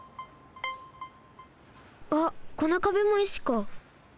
あっこのかべも石か。